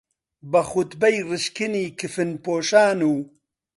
بە خوتبەی ڕشکنی کفنپۆشان و